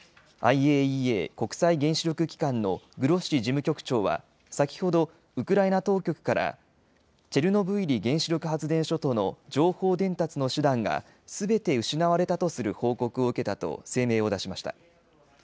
ＩＡＥＡ・国際原子力機関のグロッシ事務局長は先ほどウクライナ当局から、チェルノブイリ原子力発電所との情報伝達の手段がすべて失われたとする報告を受けたと声明を出しました。